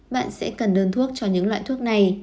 bạn sẽ cần đơn thuốc cho những loại thuốc này